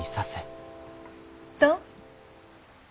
どう？